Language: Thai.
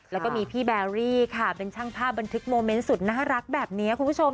แล้วก็มีพี่แบรี่ค่ะเป็นช่างภาพบันทึกโมเมนต์สุดน่ารักแบบนี้คุณผู้ชม